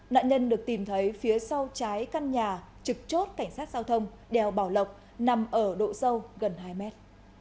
nạn nhân được tìm thấy phía sau trái căn nhà trực chốt cảnh sát giao thông đèo bảo lộc nằm ở độ sâu gần hai mét